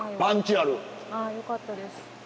あよかったです。